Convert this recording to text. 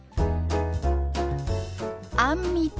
「あんみつ」。